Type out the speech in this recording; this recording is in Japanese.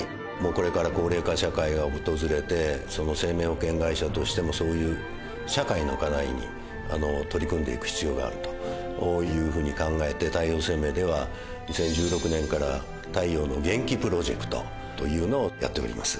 これから高齢化社会が訪れて生命保険会社としてもそういう社会の課題に取り組んでいく必要があるというふうに考えて太陽生命では２０１６年から太陽の元気プロジェクトというのをやっております。